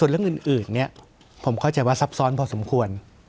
เรื่องอื่นผมเข้าใจว่าซับซ้อนพอสมควร